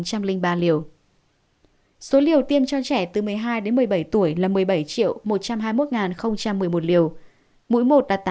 số liều tiêm cho trẻ từ một mươi hai đến một mươi bảy tuổi là